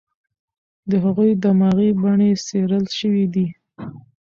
د هغوی دماغي بڼې څېړل شوې دي.